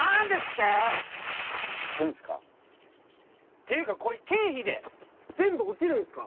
っていうかこれ経費で全部落ちるんすか？